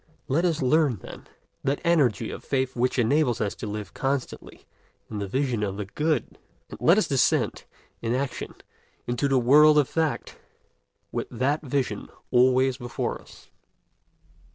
Let us learn, then, that energy of faith which enables us to live constantly in the vision of the good; and let us descend, in action, into the world of fact, with that vision always before us.